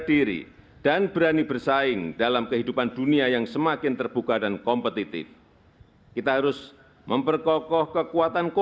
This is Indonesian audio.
tanda kebesaran buka hormat senjata